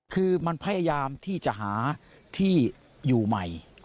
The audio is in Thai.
คือมันพยายามที่จะหาที่อยู่ใหม่